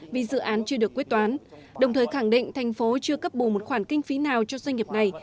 vì dự án chưa được quyết toán đồng thời khẳng định thành phố chưa cấp bù một khoản kinh phí nào cho doanh nghiệp này